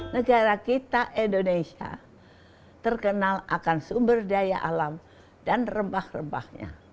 negara kita indonesia terkenal akan sumber daya alam dan rempah rempahnya